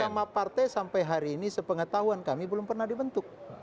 nama partai sampai hari ini sepengetahuan kami belum pernah dibentuk